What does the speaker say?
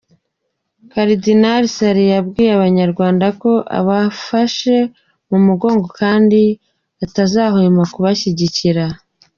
Karidinali Sarr yabwiye Abanyarwanda ko abafashe mu mugongo kandi atazahwema kubashyigikira.